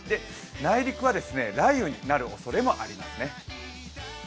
内陸は雷雨になるおそれもあります。